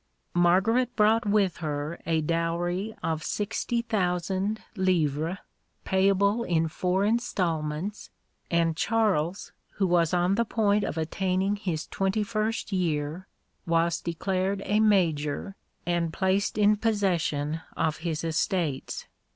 Margaret brought with her a dowry of sixty thousand livres, payable in four instalments, and Charles, who was on the point of attaining his twenty first year, was declared a major and placed in possession of his estates.